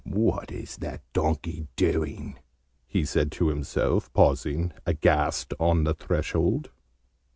"What is that donkey doing?" he said to himself, pausing, aghast, on the threshold.